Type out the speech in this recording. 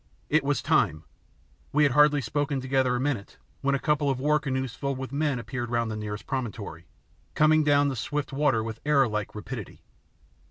It was time! We had hardly spoken together a minute when a couple of war canoes filled with men appeared round the nearest promontory, coming down the swift water with arrow like rapidity.